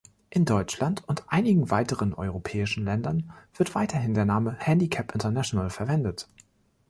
In Deutschland und einigen weiteren europäischen Ländern wird weiterhin der Name "Handicap International" verwendet.